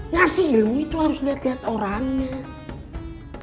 ngasih ilmu itu harus lihat lihat orangnya